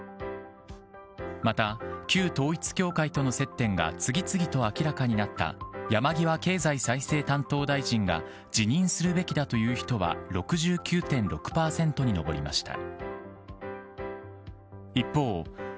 また、旧統一教会との接点が次々と明らかになった山際経済再生担当大臣が辞任するべきだという人は６９．６％に上りました。